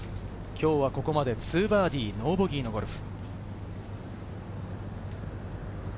今日はここまで２バーディー、ノーボギーのゴルフ。